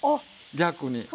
逆に。